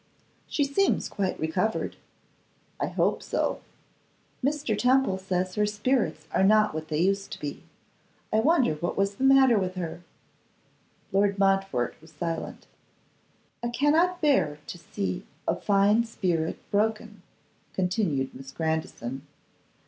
'She seems quite recovered.' 'I hope so.' 'Mr. Temple says her spirits are not what they used to be. I wonder what was the matter with her?' Lord Montfort was silent. 'I cannot bear to see a fine spirit broken,' continued Miss Grandison.